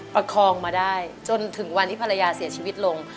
ประคองมาได้จนถึงวันที่ภรรยาเสียชีวิตลง